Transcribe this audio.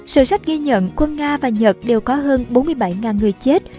sự sách ghi nhận quân nga và nhật đều có hơn bốn mươi bảy người chết